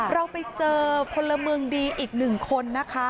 เราไปเจอคนละเมืองดีอีก๑คนนะคะ